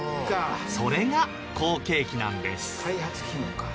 それが好景気なんです。